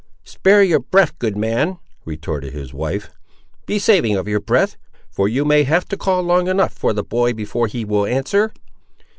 "Spare your breath, good man," retorted his wife; "be saving of your breath; for you may have to call long enough for the boy before he will answer!"